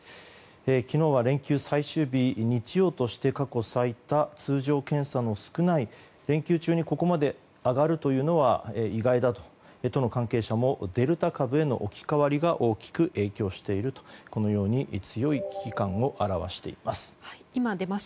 昨日は連休最終日日曜日として過去最多通常検査の少ない連休中にここまで上がるのは意外だと都の関係者もデルタ株への置き換わりが大きく影響していると強い危機感を表しています。